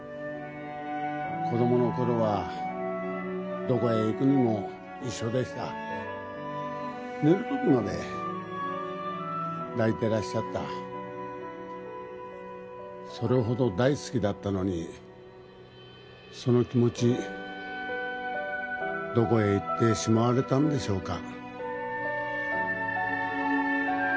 子供の頃はどこへ行くにも一緒でした寝る時まで抱いてらっしゃったそれほど大好きだったのにその気持ちどこへいってしまわれたんでしょうか